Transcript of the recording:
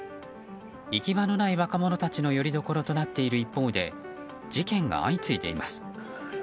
行き場のない若者たちのよりどころとなっている一方で事件が相次いでいます。